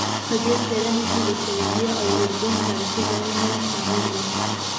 په دې څېړنه کې د سعودي او اردن تاریخي ځایونه هم شامل وو.